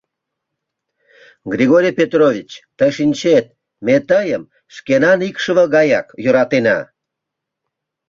— Григорий Петрович, тый шинчет, ме тыйым шкенан икшыве гаяк йӧратена.